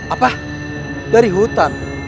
apa dari hutan